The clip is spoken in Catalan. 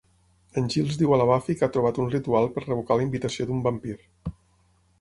En Giles diu a la Buffy que ha trobat un ritual per revocar la invitació d'un vampir.